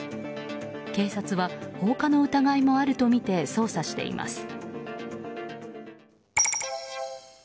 警察は放火の疑いもあるとみて捜査しています。